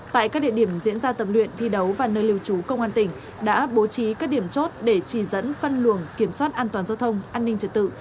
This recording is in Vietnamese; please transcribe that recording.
tại các địa điểm diễn ra tập luyện thi đấu và nơi lưu trú công an tỉnh đã bố trí các điểm chốt để chỉ dẫn phân luồng kiểm soát an toàn giao thông an ninh trật tự